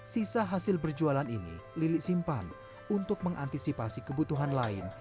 sisa hasil berjualan ini lili simpan untuk mengantisipasi kebutuhan lain